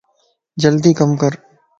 جلدي ڪم ڪر